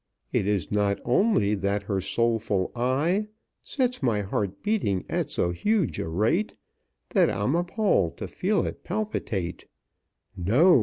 It is not only that her soulful eye Sets my heart beating at so huge a rate That I'm appalled to feel it palpitate; No!